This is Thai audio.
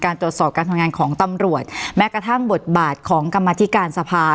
ตรวจสอบการทำงานของตำรวจแม้กระทั่งบทบาทของกรรมธิการสภา